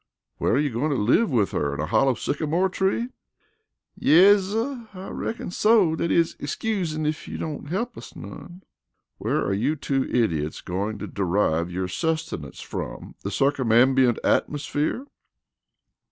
"Where are you going to live with her in a hollow sycamore tree?" "Yes, suh, I reckin so dat is, excusin' ef you don't he'p us none." "Where are you two idiots going to derive your sustenance from the circumambient atmosphere?"